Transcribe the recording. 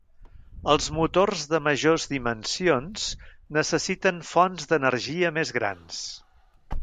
Els motors de majors dimensions necessiten fonts d'energia més grans.